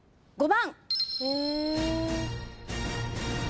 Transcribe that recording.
５番。